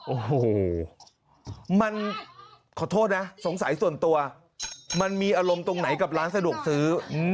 โอ้โหมันขอโทษนะสงสัยส่วนตัวมันมีอารมณ์ตรงไหนกับร้านสะดวกซื้อ